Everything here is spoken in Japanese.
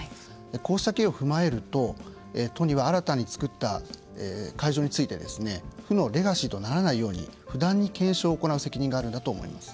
こうした経緯を踏まえると都には新たに造った会場について負のレガシーとならないように不断に検証を行う責任があるんだと思います。